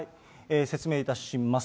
説明いたします。